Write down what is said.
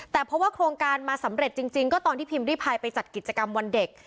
แต่เพราะว่าโครงการมาสำเร็จจริงก็ตอนที่พิมพ์ริพายไปจัดกิจกรรมวันเด็ก